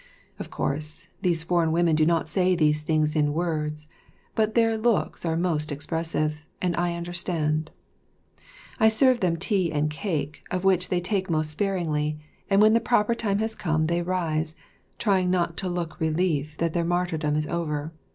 Of course, these foreign women do not say these things in words, but their looks are most expressive, and I understand. I serve them tea and cake, of which they take most sparingly, and when the proper time has come they rise, trying not to look relief that their martyrdom is over.